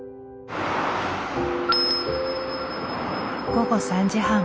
午後３時半。